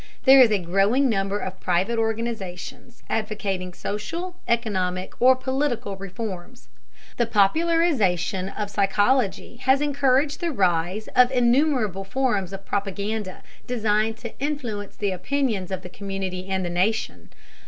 There is a growing number of private organizations advocating social, economic, or political reforms. The popularization of psychology has encouraged the rise of innumerable forms of propaganda designed to influence the opinions of the community and nation.